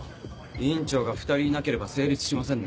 院長が２人いなければ成立しませんね。